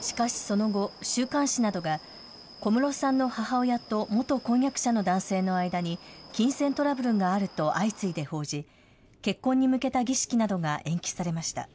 しかし、その後、週刊誌などが、小室さんの母親と、元婚約者の男性の間に、金銭トラブルがあると相次いで報じ、結婚に向けた儀式などが延期されました。